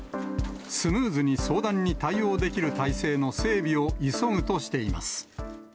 スムーズに相談に対応できる体制の整備を急ぐとしています。